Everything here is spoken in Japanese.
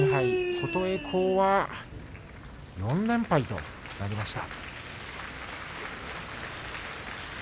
琴恵光は４連敗となりました。